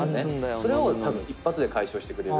「それを一発で解消してくれる」